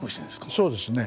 そうですね。